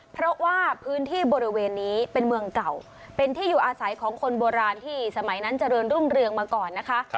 เพราะว่าพื้นที่บริเวณนี้เป็นเมืองเก่าเป็นที่อยู่อาศัยของคนโบราณที่สมัยนั้นเจริญรุ่งเรืองมาก่อนนะคะ